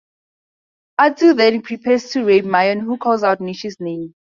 Atsu then prepares to rape Myon, who calls out Nishi's name.